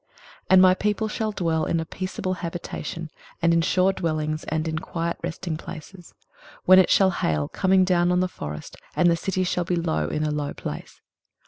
23:032:018 And my people shall dwell in a peaceable habitation, and in sure dwellings, and in quiet resting places; 23:032:019 When it shall hail, coming down on the forest; and the city shall be low in a low place.